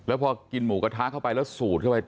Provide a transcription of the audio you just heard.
แล้วพอกินหมูกระทะเข้าไปแล้วสูดเข้าไป